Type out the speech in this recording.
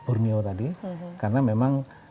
borneo tadi karena memang